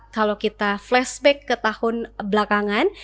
kalau kita flashback ke tahun belakangan